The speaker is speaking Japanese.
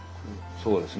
そうですね。